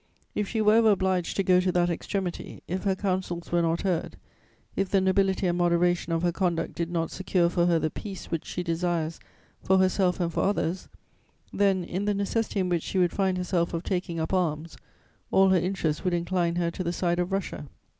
If she were ever obliged to go to that extremity, if her counsels were not heard, if the nobility and moderation of her conduct did not secure for her the peace which she desires for herself and for others, then, in the necessity in which she would find herself of taking up arms, all her interests would incline her to the side of Russia.